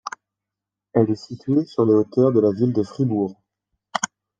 Elle est située sur les hauteurs de la ville de Fribourg.